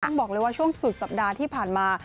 บอกเลยว่าช่วงสุดสัปดาห์ที่ผ่านมา